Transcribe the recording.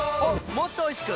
もっとおいしく！